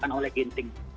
ya itu sudah berusaha